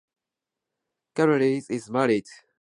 Curbishley is married and lives in Abridge, Essex.